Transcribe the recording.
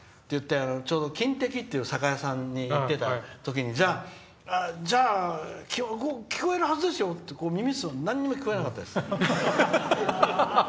ちょうど、「金滴」っていう酒屋さんに行ってた時に聞こえるはずですよ！って言われて耳澄ませたら何も聞こえなかったです。